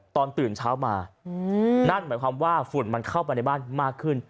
ตอนตื่นเช้ามานั่นหมายความว่าฝุ่นมันเข้าไปในบ้านมากขึ้น